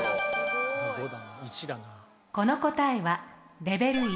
この答えはレベル１。